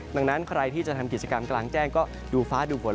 ดังนั้นใครที่จะทำกิจกรรมกลางแจ้งก็ดูฟ้าดูฝน